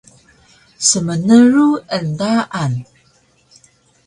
Smnru endaan